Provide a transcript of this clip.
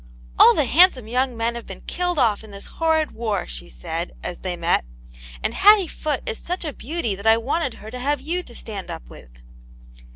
"All the handsome young men have been killed off in this horrid war," she said, as they met, " and Hattie Foot is such a beauty that I wanted her to have you to stand up with."